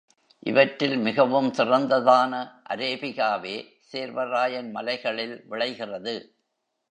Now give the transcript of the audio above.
இவற்றில் மிகவும் சிறந்ததான அரேபிகாவே சேர்வராயன் மலைகளில் விளைகிறது.